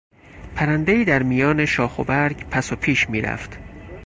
پرندهای در میان شاخ و برگ پس و پیش میرفت.